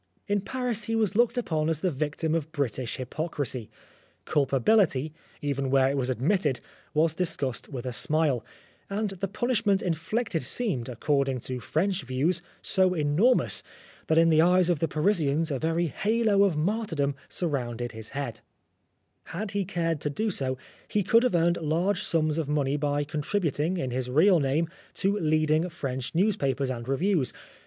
In Paris he was looked upon as the victim of British hypocrisy. Culpability, even where it was admitted, was discussed with a smile, and the punishment inflicted seemed, accord ing to French views, so enormous, that in the eyes of the Parisians a very halo of martyrdom surrounded his head. 242 Oscar Wilde Had he cared to do so, he could have earned large sums of money by contributing, in his real name, to leading French news papers and reviews.